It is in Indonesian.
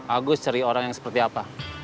agus cari orang yang seperti apa